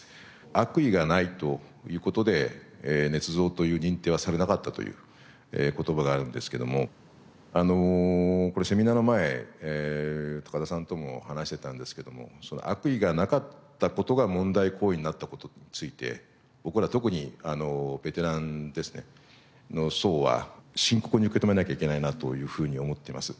悪意がないという事で捏造という認定はされなかったという言葉があるんですけどもあのこれセミナーの前高田さんとも話してたんですけどもその悪意がなかった事が問題行為になった事について僕ら特にベテランですねの層は深刻に受け止めなきゃいけないなというふうに思っています。